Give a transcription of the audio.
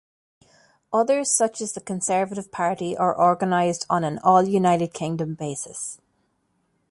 Others such as the Conservative Party are organised on an all-United Kingdom basis.